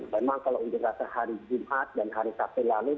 memang kalau unjuk rasa hari jumat dan hari sabtu lalu